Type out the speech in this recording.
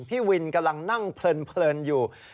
พี่วินกำลังนั่งเพลินอยู่